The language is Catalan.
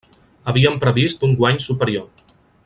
Havíem previst un guany superior.